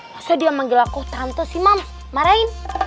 masa dia manggil aku tante sih moms marahin